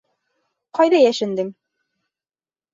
Ҡайҙа йәшендең?